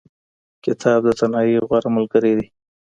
کتاب د تنهایۍ غوره ملګری دی.